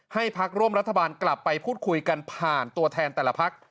พักร่วมรัฐบาลกลับไปพูดคุยกันผ่านตัวแทนแต่ละพัก